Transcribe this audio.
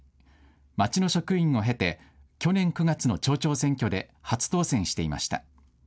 町の職員を経て去年９月の町長選挙で初当選していました。